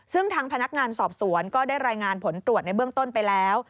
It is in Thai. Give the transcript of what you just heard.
ซึ่งทางพนักงานสอบสวนก็ได้รายงานผลตรวจในเบื้องต้นไปแล้ว